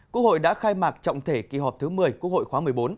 quốc hội đã khai mạc trọng thể kỳ họp thứ một mươi quốc hội khóa một mươi bốn